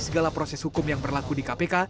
segala proses hukum yang berlaku di kpk